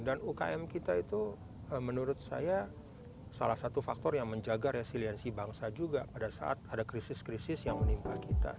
dan ukm kita itu menurut saya salah satu faktor yang menjaga resiliensi bangsa juga pada saat ada krisis krisis yang menimpa kita